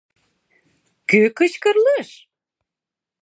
Кӧ кычкырлыш?